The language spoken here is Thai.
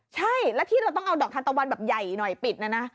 ใช่แล้วที่เราต้องเอาดอกทานตะวันแบบใหญ่หน่อยปิดนะนะ